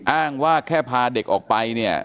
อ้างว่าแค่พาเด็กออกไป